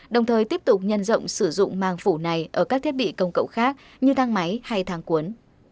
đồng thời tiếp tục nhân rộng sử dụng màng phủ này ở các thiết bị công cộng khác như thang máy hay thang cuốn